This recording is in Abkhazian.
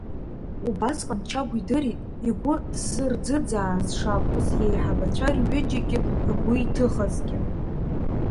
Убасҟан Чагә идырит игәы ҭзырӡыӡааз шакәыз иеиҳабацәа рҩыџьегьы ргәы иҭыхазгьы.